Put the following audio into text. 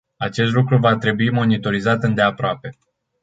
Acest lucru va trebui monitorizat îndeaproape.